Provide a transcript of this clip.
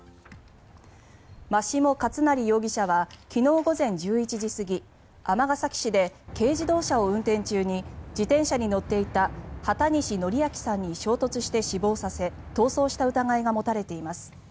眞下勝成容疑者は昨日午前１１時過ぎ尼崎市で軽自動車を運転中に自転車に乗っていた畑西徳明さんに衝突して死亡させ逃走した疑いが持たれています。